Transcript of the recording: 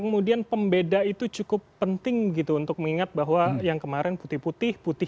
kemudian pembeda itu cukup penting gitu untuk mengingat bahwa yang kemarin putih putih putih